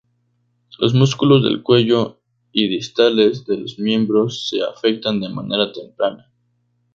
Los músculos del cuello y distales de los miembros se afectan de manera temprana.